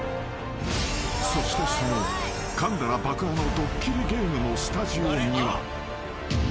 ［そしてそのかんだら爆破のドッキリゲームのスタジオには］